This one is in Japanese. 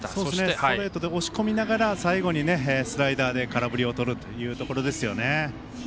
ストレートで押し込みながら最後にスライダーで空振りをとるというところですよね。